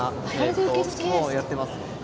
やってますね。